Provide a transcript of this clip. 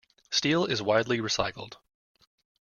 Steel is widely recycled.